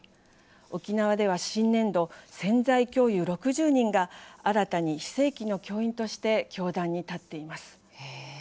沖縄では新年度潜在教諭６０人が新たに非正規の教員として教壇に立っています。